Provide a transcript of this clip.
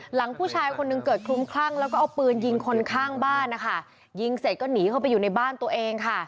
หลังผู้ชายคนหนึ่งเกิดคลุมคลั่งแล้วก็เอาปืนยิงคนข้างบ้านนะคะยิงเสร็จก็หนีเข้าไปอยู่ในบ้านตัวเองค่ะ